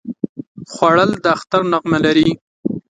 خوړل د اختر نغمه لري